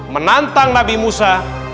menantang nabi musa